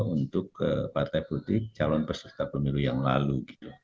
untuk partai politik calon peserta pemilu yang lalu